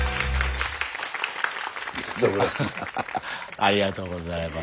ありがとうございます。